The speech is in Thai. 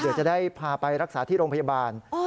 เดี๋ยวจะได้พาไปรักษาที่โรงพยาบาล